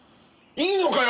いいのかよ？